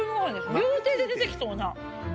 料亭で出てきそうな。